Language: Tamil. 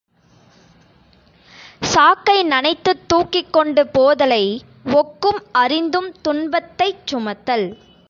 சாக்கை நனைத்துத் தூக்கிக் கொண்டு போதலை ஒக்கும், அறிந்தும் துன்பத்தைச் சுமத்தல்.